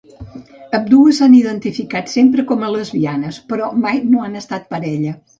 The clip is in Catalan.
Ambdues s'han identificat sempre com a lesbianes, però mai no han estat parella.